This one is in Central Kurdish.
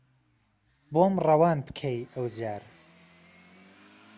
بۆم ڕەوان پکهی ئهو جار